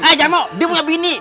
eh jangan mau dia bukan bini